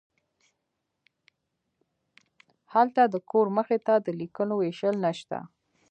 هلته د کور مخې ته د لیکونو ویشل نشته